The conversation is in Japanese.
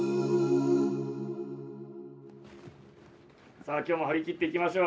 さあ今日も張り切っていきましょう。